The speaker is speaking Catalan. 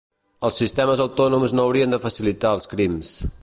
Els sistemes autònoms no haurien de facilitar els crims.